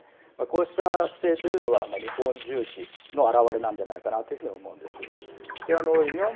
こうした姿勢というのは日本重視の表れなんじゃないかなというふうに思うんです。